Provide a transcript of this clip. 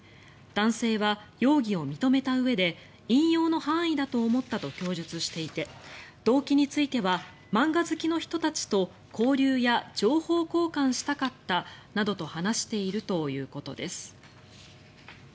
男性は容疑を認めたうえで引用の範囲だと思ったと供述していて動機については漫画好きの人たちと交流や情報交換したかったなどと話しているということです。